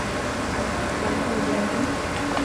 বাদ দাও বন্ধু।